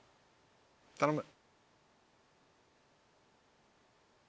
頼む。